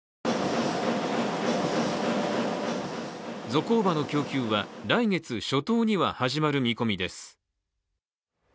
ゾコーバの供給は来月初頭には始まる見込みです。